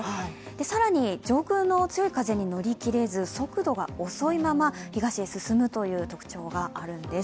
更に、上空の強い風に乗りきれず速度が遅いまま東へ進むという特徴があるんです。